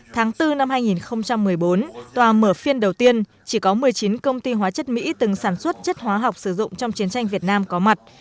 tháng bốn năm hai nghìn một mươi bốn tòa mở phiên đầu tiên chỉ có một mươi chín công ty hóa chất mỹ từng sản xuất chất hóa học sử dụng trong chiến tranh việt nam có mặt